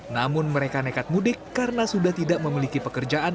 namun mereka nekat mudik karena sudah tidak memiliki pekerjaan